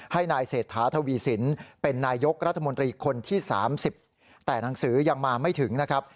ให้นายเศรษฐาทวีสินเป็นนายกรัฐมนตรีคนที่๓๐แต่หนังสือยังมาไม่ถึงนะครับ